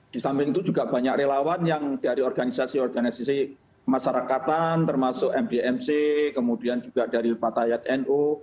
di samping itu juga banyak relawan yang dari organisasi organisasi masyarakatan termasuk mdmc kemudian juga dari fatayat nu